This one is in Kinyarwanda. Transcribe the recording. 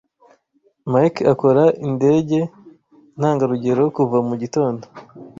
Mike akora indege ntangarugero kuva mugitondo.